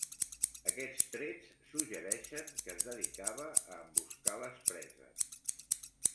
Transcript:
Aquests trets suggereixen que es dedicava a emboscar les preses.